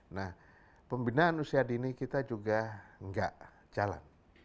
nah pembinaan usia dini kita juga nggak jalan